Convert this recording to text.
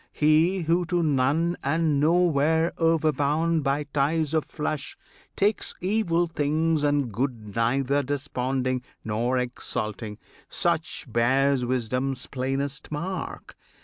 He who to none and nowhere overbound By ties of flesh, takes evil things and good Neither desponding nor exulting, such Bears wisdom's plainest mark!